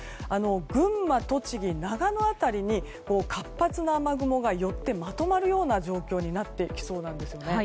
群馬、栃木、長野辺りに活発な雨雲が寄ってまとまるような状況になってきそうなんですね。